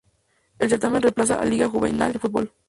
El certamen reemplaza al Liga Jujeña de Fútbol.